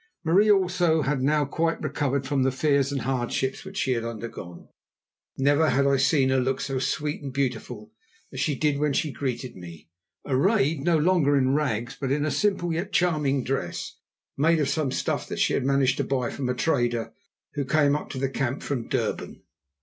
Marie, also, had now quite recovered from the fears and hardships which she had undergone. Never had I seen her look so sweet and beautiful as she did when she greeted me, arrayed no longer in rags, but in a simple yet charming dress made of some stuff that she had managed to buy from a trader who came up to the camp from Durban.